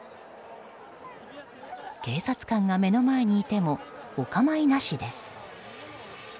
警察官が目の前にいてもお構いなしです。